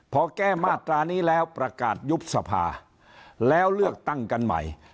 พอแก้มาตรานี้แล้วประกาศยุบสภาแล้วเลือกตั้งกันใหม่